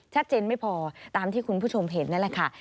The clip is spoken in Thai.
ชัดเจนไม่พอตามที่คุณผู้ชมเห็นนั่นแหละค่ะ